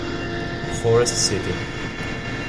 Forest City